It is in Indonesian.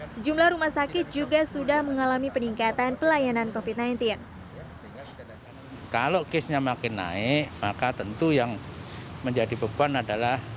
sejumlah rumah sakit juga sudah mengalami peningkatan pelayanan covid sembilan belas